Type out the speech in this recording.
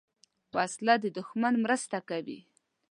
وسله د دوښمن مرسته کوي